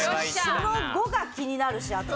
その５が気になるしあと。